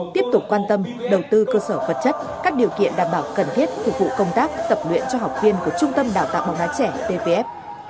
tiếp tục quan tâm đầu tư cơ sở vật chất các điều kiện đảm bảo cần thiết phục vụ công tác tập luyện cho học viên của trung tâm đào tạo bóng đá trẻ pvf